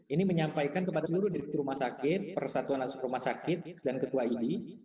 ini menyampaikan kepada seluruh direktur rumah sakit persatuan langsung rumah sakit dan ketua idi